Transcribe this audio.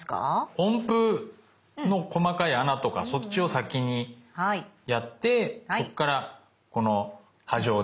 音符の細かい穴とかそっちを先にやってそっからこの波状で切っていく。